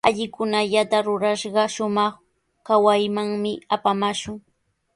Allikunallata rurashqa, shumaq kawaymanmi apamaashun.